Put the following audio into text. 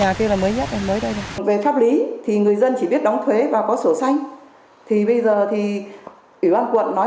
các kết luận hồ sơ những tồn tại cũ chúng tôi giữ nguyên hiện trạng và không cho phát sinh mới